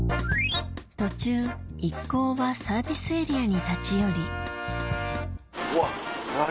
途中一行はサービスエリアに立ち寄りうわ何？